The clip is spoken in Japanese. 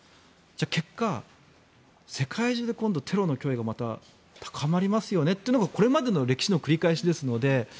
結果、世界中で今度テロの脅威がまた高まりますよねというのがこれまでの歴史の繰り返しですので。